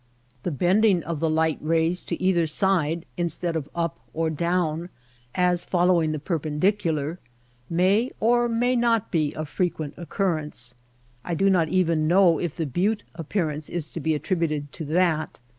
The bending of the light rays to either side ILLUSIONS 133 instead of up or down, as following the perpen dicular, may or may not be of frequent occur rence. I do not even know if the butte appear ance is to be attributed to that.